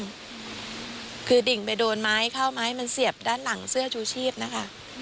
ก็ภาพถึงไปโดนไม้เชียบด้านหลังเสื้อชูชีพนะคะ